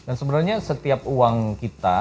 dan sebenarnya setiap uang kita